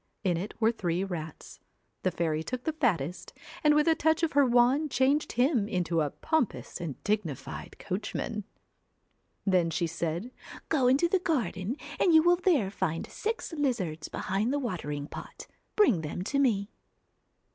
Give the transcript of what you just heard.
In it were three rats. The fairy took the fattest, and with a touch of her wand changed him into a pompous and dignified coach man. Then she said, ' Go into the garden, and you will there find six lizards behind the watering pot, bring them to me.'